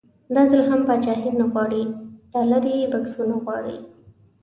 دا ځل هم پاچاهي نه غواړي ډالري بکسونه غواړي.